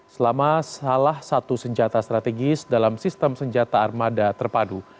selama salah satu senjata strategis dalam sistem senjata armada terpadu